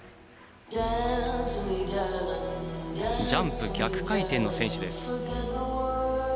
ジャンプ逆回転の選手です。